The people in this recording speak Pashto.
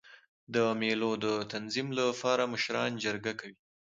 د مېلو د تنظیم له پاره مشران جرګه کوي.